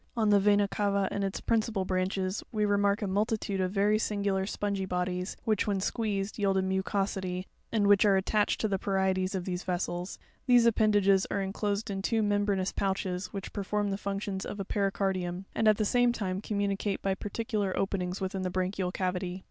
6. On the vena cava and its principal branches, we remark a multitude of very singular spongy bodies (fig. 9, cs), which, when squeezed, yield a mucosity, and which are attached to the parietes of these vessels; these appendages are enclosed in two membranous pouches, which perform the functions of a pericar dium, and, at the same time, communicate by particular openings with the branchial cavity.